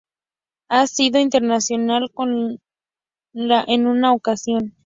Ha sido internacional con la en una ocasión.